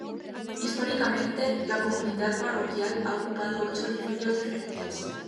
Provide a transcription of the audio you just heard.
Históricamente, la comunidad parroquial ha ocupado ocho edificios diferentes.